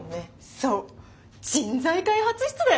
そう人材開発室だよ！